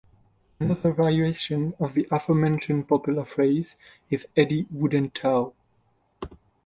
Another variation of the aforementioned popular phrase is Eddie wouldn't tow.